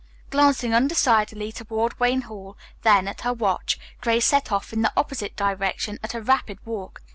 Glancing undecidedly toward Wayne Hall, then at her watch, Grace set off in the opposite direction at a rapid walk.